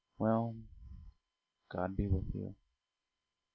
Well, God be with you."